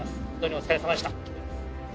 お疲れさまでした。